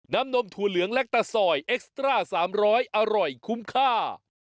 น้ำนมถั่วเหลืองแลกตะสอยเอ็กซ์ตร้าสามร้อยอร่อยคุ้มค่า